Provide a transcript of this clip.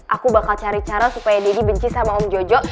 aku bakal cari cara supaya deddy benci sama om jojo